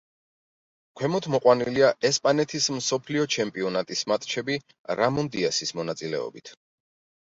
ქვემოთ მოყვანილია ესპანეთის მსოფლიო ჩემპიონატის მატჩები რამონ დიასის მონაწილეობით.